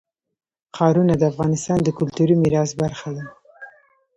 ښارونه د افغانستان د کلتوري میراث برخه ده.